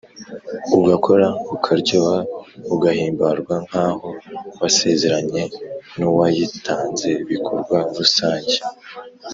ugakora ukaryoha ugahimbarwa nk’aho wasezeranye n’uwayitanzebikorwa rusange